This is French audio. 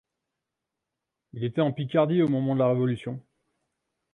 Il était en Picardie au moment de la Révolution.